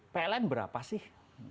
pln berapa sih